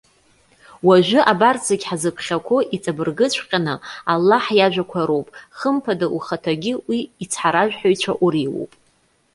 Уажәы абарҭ зегьы ҳзыԥхьақәо иҵабыргыҵәҟьаны, Аллаҳ иажәақәа роуп, хымԥада, ухаҭагьы уи ицҳаражәҳәаҩцәа уреиуоуп.